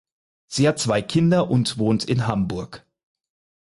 Sie hat zwei Kinder und wohnt in Hamburg.